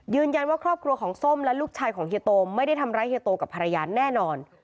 ครอบครัวของส้มและลูกชายของเฮียโตไม่ได้ทำร้ายเฮียโตกับภรรยาแน่นอน